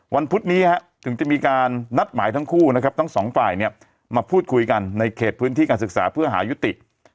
วันพุธนี้ถึงจะมีการนัดหมายทั้งสองฝ่ายมาพูดคุยกันในเขตพื้นที่การศึกษาเพื่อหายุติ